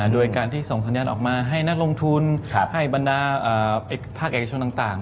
โดยการที่ส่งสัญญาณออกมาให้นักลงทุนให้บรรดาภาคเอกชนต่าง